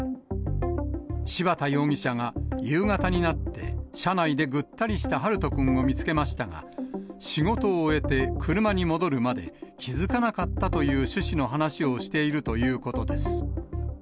柴田容疑者が夕方になって車内でぐったりした陽翔くんを見つけましたが、仕事を終えて車に戻るまで気付かなかったという趣旨の話をしているということです。